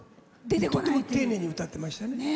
とっても丁寧に歌ってました。